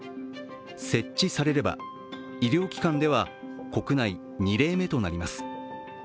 設置されれば医療機関では国内で２例目となります。